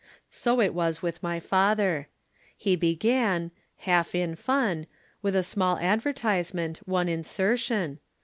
So it was with my father. He began half in fun with a small advertisement, one insertion.